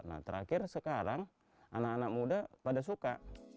nah terakhir sekarang anak anak muda pada suka